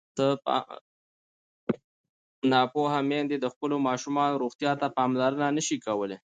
ناپوهه میندې د خپلو ماشومانو روغتیا ته پاملرنه نه شي کولی.